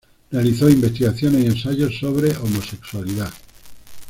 Realizó investigaciones y ensayos sobre homosexualidad.